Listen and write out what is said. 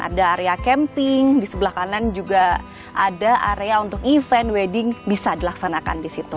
ada area camping di sebelah kanan juga ada area untuk event wedding bisa dilaksanakan di situ